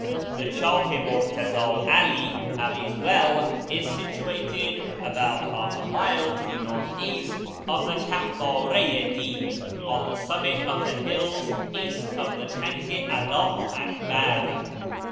The Chdh i Murtazd 'AH ('All's well) is situated about half a mile to the north east of the Kehvdrd i Div, on the summit of the hills east of the Tang i AlWiu Akhar.